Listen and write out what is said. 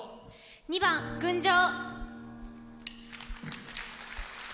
２番「群青」。